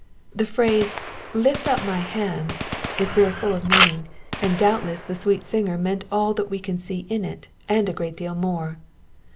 The phrase lift up my hands" is very full of meaning, and doubtless the sweet singer meant all that we can see in it, and a great deal more.